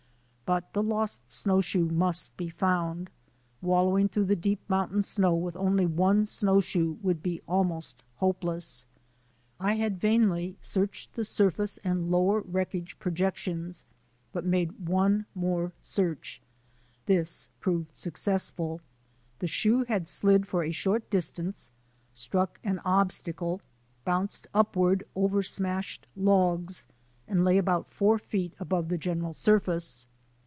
But the lost snowshoe must be found, wallowing through the deep mountain snow with only one snowshoe would be almost hopeless. I had vainly searched the surface and lower wreckage projec tions but made one more search. This proved successful. The shoe had slid for a short distance, struck an obstacle, bounced upward over smashed logs, and lay about four feet above the general surface.